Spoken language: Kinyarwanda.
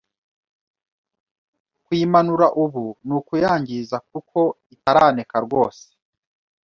kuyimanura ubu ni ukuyangiza kuko itaraneka rwose